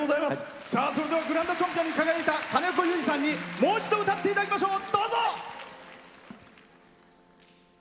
それではグランドチャンピオンに輝いた兼子結さんにもう一度歌っていただきましょう！